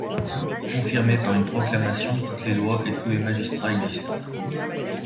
Confirmer par une proclamation toutes les lois et tous les magistrats existans.